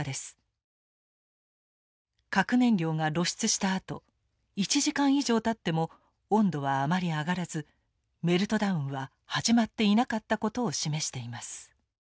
核燃料が露出したあと１時間以上たっても温度はあまり上がらずメルトダウンは始まっていなかったことを示しています。